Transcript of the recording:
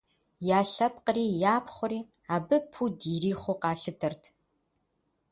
Я лъэпкъри япхъури абы пуд ирихъуу къалъытэрт.